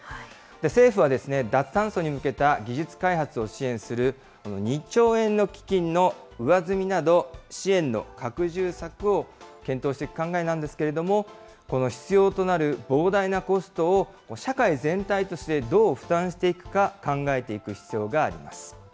政府は脱炭素に向けた技術開発を支援する２兆円の基金の上積みなど、支援の拡充策を検討していく考えなんですけれども、この必要となる膨大なコストを社会全体としてどう負担していくか、次です。